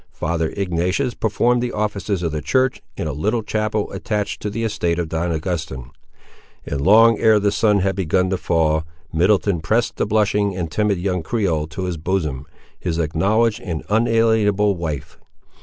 Father Ignatius performed the offices of the church, in a little chapel attached to the estate of Don Augustin; and long ere the sun had begun to fall, Middleton pressed the blushing and timid young Creole to his bosom, his acknowledged and unalienable wife.